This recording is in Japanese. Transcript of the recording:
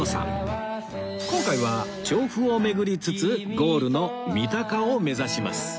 今回は調布を巡りつつゴールの三鷹を目指します